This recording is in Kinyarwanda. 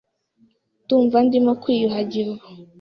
Ndumva ndimo kwiyuhagira ubu.